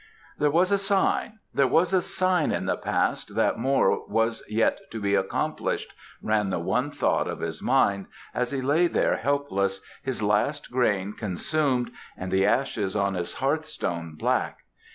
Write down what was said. "There was a sign there was a sign in the past that more was yet to be accomplished," ran the one thought of his mind as he lay there helpless, his last grain consumed and the ashes on his hearthstone black.